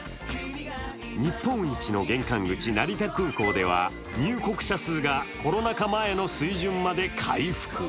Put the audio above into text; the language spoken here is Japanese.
日本一の玄関口、成田空港では入国者数がコロナ禍前の水準まで回復。